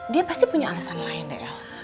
dia pasti punya alasan lain mbak el